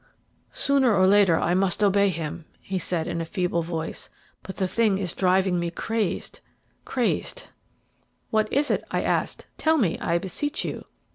"Sooner or later I must obey him," he said in a feeble voice; "but the thing is driving me crazed crazed." "What is it?" I asked; "tell me, I beseech you."